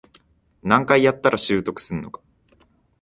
何回やったら習得するのか